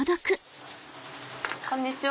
こんにちは。